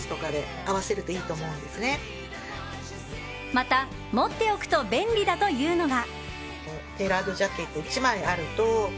また、持っておくと便利だというのが。